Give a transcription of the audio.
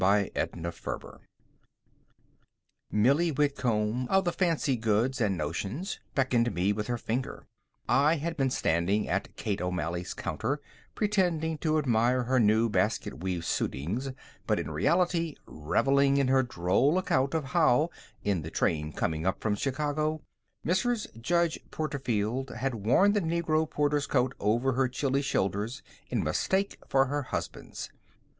X THE HOMELY HEROINE Millie Whitcomb, of the fancy goods and notions, beckoned me with her finger. I had been standing at Kate O'Malley's counter, pretending to admire her new basket weave suitings, but in reality reveling in her droll account of how, in the train coming up from Chicago, Mrs. Judge Porterfield had worn the negro porter's coat over her chilly shoulders in mistake for her husband's.